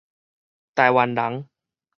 台灣人